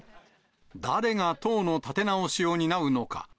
誰が党の立て直しを担うのか。